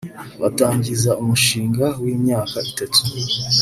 batangiza umushinga w’imyaka itatu